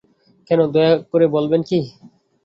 কেন, দয়া করে বলবেন কি?